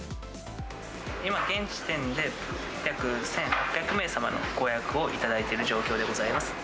今、現時点で、約１８００名様のご予約を頂いている状況でございます。